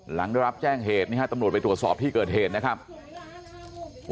หลังได้รับแจ้งเหตุนี่ฮะตำรวจไปตรวจสอบที่เกิดเหตุนะครับ